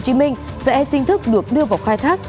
hồ chí minh sẽ chính thức được đưa vào khai thác